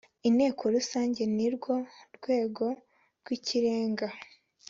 inteko rusange ni rwo rwego rw ikirenga